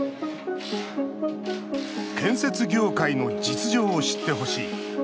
建設業界の実情を知ってほしい。